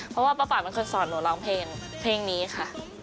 เพราะว่าป๊าป๊ามันคนสอนหนูร้องเพลงนี้ค่ะ